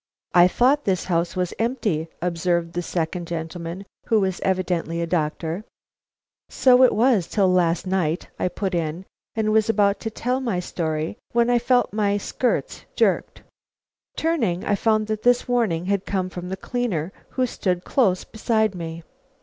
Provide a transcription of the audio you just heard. "I thought this house was empty," observed the second gentleman, who was evidently a doctor. "So it was till last night," I put in; and was about to tell my story, when I felt my skirts jerked. Turning, I found that this warning had come from the cleaner who stood close beside me.